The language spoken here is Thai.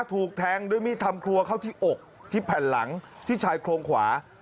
ถูกแทงด้วยมีดทำครัวเข้าที่อกที่แผ่นหลังที่ชายโครงขวา